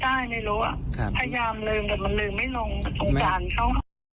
ได้ไม่รู้อ่ะพยายามลืมแต่มันลืมไม่ลงสงสารเขา